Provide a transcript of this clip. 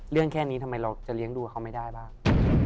แค่นี้ทำไมเราจะเลี้ยงดูเขาไม่ได้บ้าง